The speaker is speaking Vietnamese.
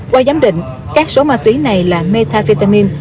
qua giám định các số ma túy này là metafetamin